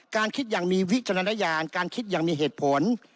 คิดอย่างมีวิจารณญาณการคิดอย่างมีเหตุผล